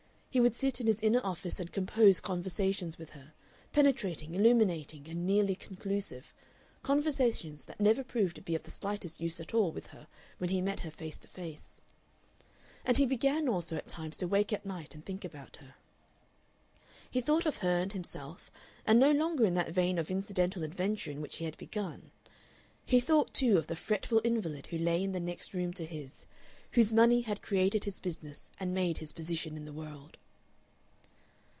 He would sit in his inner office and compose conversations with her, penetrating, illuminating, and nearly conclusive conversations that never proved to be of the slightest use at all with her when he met her face to face. And he began also at times to wake at night and think about her. He thought of her and himself, and no longer in that vein of incidental adventure in which he had begun. He thought, too, of the fretful invalid who lay in the next room to his, whose money had created his business and made his position in the world.